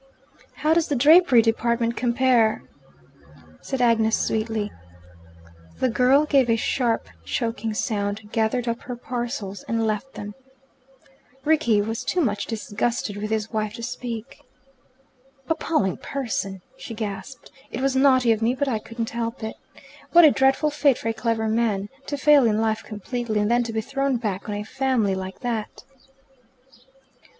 "How does the drapery department compare?" said Agnes sweetly. The girl gave a sharp choking sound, gathered up her parcels, and left them. Rickie was too much disgusted with his wife to speak. "Appalling person!" she gasped. "It was naughty of me, but I couldn't help it. What a dreadful fate for a clever man! To fail in life completely, and then to be thrown back on a family like that!"